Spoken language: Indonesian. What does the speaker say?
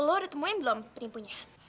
lo udah temuin belum penipunya